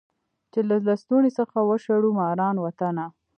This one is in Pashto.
چي له لستوڼي څخه وشړو ماران وطنه